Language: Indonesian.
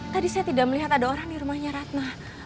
tadi saya tidak melihat ada orang di rumahnya ratna